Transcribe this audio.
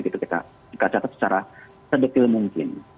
kita catat secara sedetil mungkin